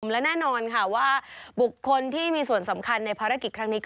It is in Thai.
และแน่นอนค่ะว่าบุคคลที่มีส่วนสำคัญในภารกิจครั้งนี้